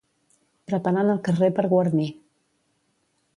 Preparant el carrer per guarnir.